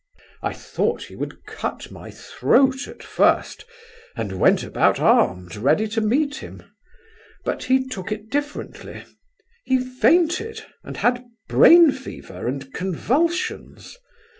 "I thought he would cut my throat at first, and went about armed ready to meet him. But he took it differently; he fainted, and had brain fever and convulsions.